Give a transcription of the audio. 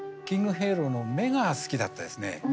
キングヘイローの目が好きだったですね。